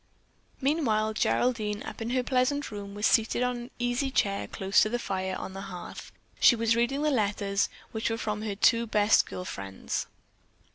Meanwhile Geraldine, up in her pleasant room, was seated in an easy chair close to the fire on the hearth. She was reading the letters, which were from her two best girl friends.